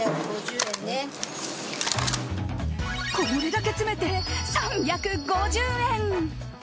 これだけ詰めて３５０円！